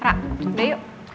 rara udah yuk